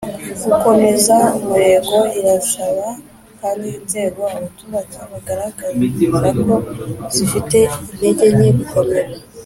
gukomeza umurego Irasaba kandi inzego abaturage bagaragaza ko zifite intege nke gukomera